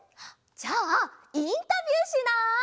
じゃあインタビューしない？